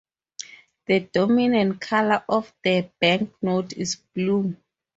The dominant colour of the banknote is blue.